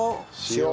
塩。